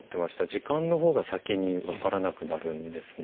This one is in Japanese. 時間の方が先にわからなくなるんですね。